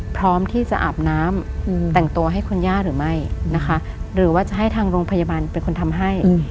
พร้อมที่จะอาบน้ำแต่งตัวให้คุณย่าหรือไม่นะคะหรือว่าจะให้ทางโรงพยาบาลเป็นคนทำให้